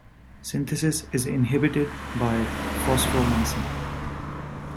Synthesis is inhibited by fosfomycin.